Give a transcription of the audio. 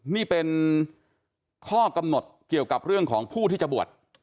นี่เป็นข้อกำหนดเกี่ยวกับเรื่องของผู้ที่จะบวช